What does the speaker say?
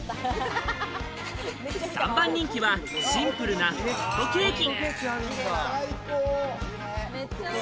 ３番人気はシンプルなホットケーキ。